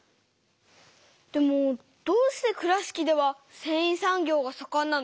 でもどうして倉敷ではせんい産業がさかんなの？